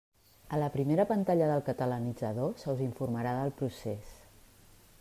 A la primera pantalla del Catalanitzador se us informarà del procés.